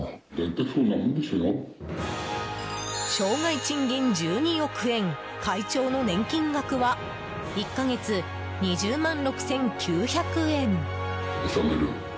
生涯賃金１２億円会長の年金額は１か月２０万６９００円。